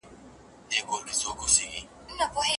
د خپلو اولادونو تر منځ په ورکړه کي برابري کوئ.